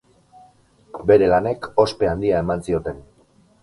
Bere lanek ospe handia eman zioten.